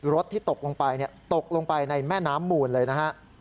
รถที่ตกลงไปตกลงไปในแม่น้ำหมูนเลยนะครับ